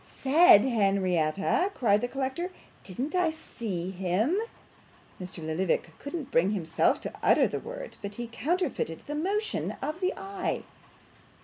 'Said, Henrietta!' cried the collector. 'Didn't I see him ' Mr Lillyvick couldn't bring himself to utter the word, but he counterfeited the motion of the eye.